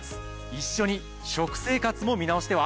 一緒に食生活も見直しては？